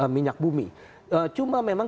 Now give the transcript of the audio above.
minyak bumi cuma memang